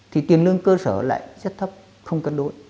thì tiền lương cơ sở lại rất thấp không cân đối